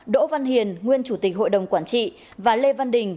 đỗ văn hiền nguyên chủ tịch hội đồng quản trị và lê văn đình